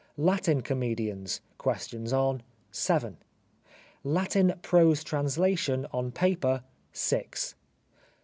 Latin Comedians (Questions on) — 7. Latin Prose Translation on Paper — 6.